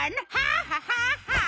ハハハハ！